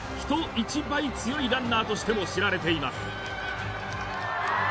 一倍強いランナーとしても知られています